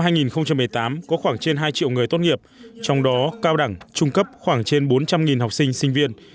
năm hai nghìn một mươi tám có khoảng trên hai triệu người tốt nghiệp trong đó cao đẳng trung cấp khoảng trên bốn trăm linh học sinh sinh viên